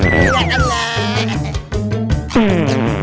hei enggak enak